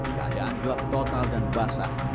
keadaan gelap total dan basah